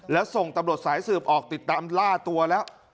แล้วส่งตำรวจสายสืบออกติดตามล่าตัวแล้ว